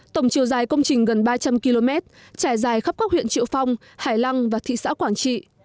tổng chiều dài công trình gần ba trăm linh km trải dài khắp các huyện triệu phong hải lăng và thị xã quảng trị